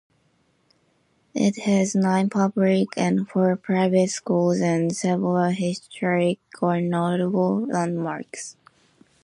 It has nine public and four private schools and several historic or notable landmarks.